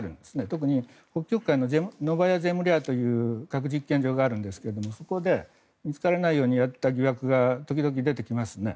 特に北極海の核実験場があるんですがそこで見つからないようにやっていた疑惑が時々、出てきますね。